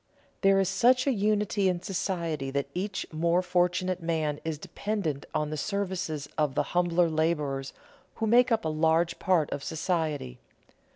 There is such a unity in society that each more fortunate man is dependent on the services of the humbler laborers who make up a large part of society.